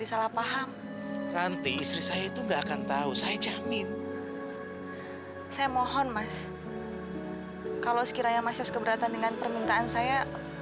sampai jumpa di video selanjutnya